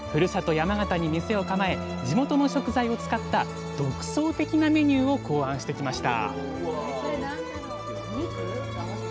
山形に店を構え地元の食材を使った独創的なメニューを考案してきました